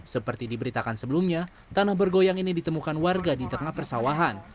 seperti diberitakan sebelumnya tanah bergoyang ini ditemukan warga di tengah persawahan